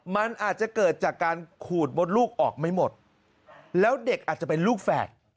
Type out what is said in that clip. มันอาจจะเกิดจากการขูดมดลูกออกไม่หมดแล้วเด็กอาจจะเป็นลูกแฝด